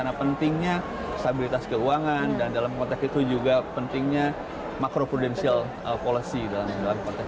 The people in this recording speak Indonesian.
pertama pentingnya stabilitas keuangan dan dalam konteks itu juga pentingnya macro prudensial policy